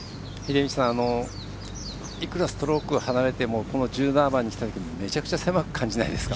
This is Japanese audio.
いくらストロークが離れても１７番に来たときにめちゃくちゃ狭く感じないですか。